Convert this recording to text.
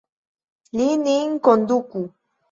Li nin konduku!